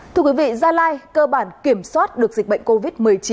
thưa quý vị gia lai cơ bản kiểm soát được dịch bệnh covid một mươi chín